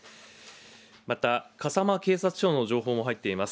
また、笠間警察署の情報も入っています。